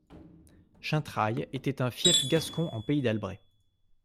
Xaintrailles était un fief gascon en pays d'Albret.